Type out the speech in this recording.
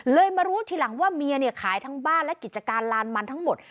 มารู้ทีหลังว่าเมียเนี่ยขายทั้งบ้านและกิจการลานมันทั้งหมด